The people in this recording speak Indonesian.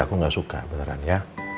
aku nggak suka beneran ya